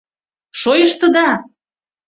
— Шойыштыда!